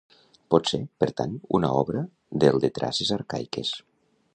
Pot ser, per tant, una obra del de traces arcaiques.